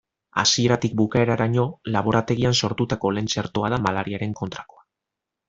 Hasieratik bukaeraraino laborategian sortutako lehen txertoa da malariaren kontrakoa.